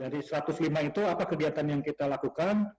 dari satu ratus lima itu apa kegiatan yang kita lakukan